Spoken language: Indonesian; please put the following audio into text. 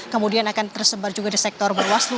kemudian akan tersebar juga di sektor bawaslu